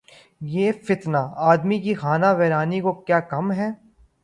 یہ فتنہ‘ آدمی کی خانہ ویرانی کو کیا کم ہے؟